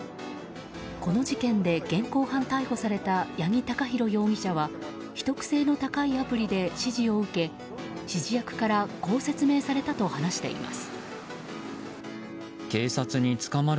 この事件で現行犯逮捕された八木貴寛容疑者は秘匿性の高いアプリで指示を受け指示役からこう説明されたと話しています。